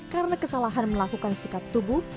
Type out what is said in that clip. karena kesalahan melakukan sikap tubuh